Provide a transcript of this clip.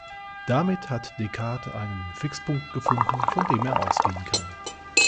Damit hat Descartes einen Fixpunkt gefunden, von dem er ausgehen kann.